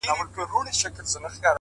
• مُلا وویله خدای مي نګهبان دی ,